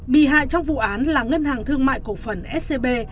bị hại trong vụ án là ngân hàng thương mại cổ phần scb